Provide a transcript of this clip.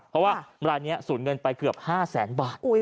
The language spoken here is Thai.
เพราะว่ารายนี้สูญเงินไปเกือบ๕แสนบาท